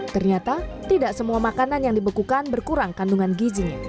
ternyata tidak semua makanan yang dibekukan berkurang kandungan gizinya